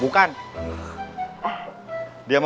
bukan temen saya